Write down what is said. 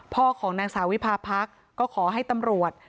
ของนางสาววิพาพรรคก็ขอให้ตำรวจ